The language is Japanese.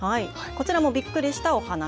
こちらもびっくりしたお話。